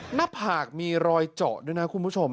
หน้าผากมีรอยเจาะด้วยนะคุณผู้ชม